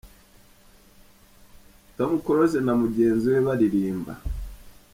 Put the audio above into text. Tom Close na mugenzi we baririmba.